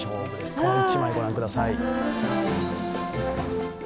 この一枚、御覧ください。